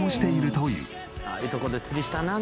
「ああいうとこで釣りしたなんねな」